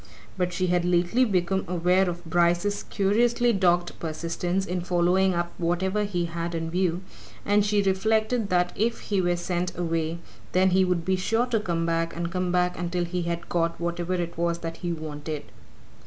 But she had lately become aware of Bryce's curiously dogged persistence in following up whatever he had in view, and she reflected that if he were sent away then he would be sure to come back and come back until he had got whatever it was that he wanted.